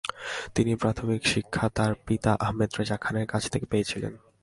তিনি প্রাথমিক শিক্ষা তার পিতা আহমদ রেজা খানের কাছ থেকে পেয়েছিলেন।